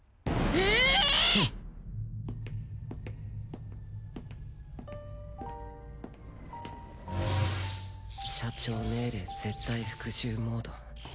えぇっ！？社長命令絶対服従モード。